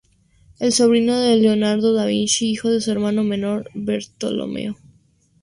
Era sobrino de Leonardo da Vinci, hijo de su hermano menor Bartolomeo.